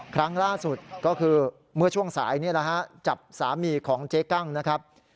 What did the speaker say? ครั้งล่าสุดก็คือเมื่อช่วงสายจับสามีของเจ๊กั้งนะครับ